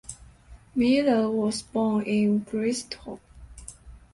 Miller was born in Bristol.